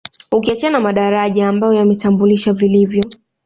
Ukiachana na madaraja ambayo yamemtambulisha vilivyo